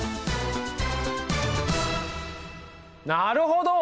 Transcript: なるほど！